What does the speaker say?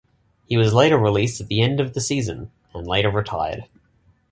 He was later released at the end of the season and later retired.